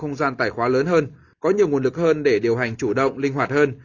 không gian tài khoá lớn hơn có nhiều nguồn lực hơn để điều hành chủ động linh hoạt hơn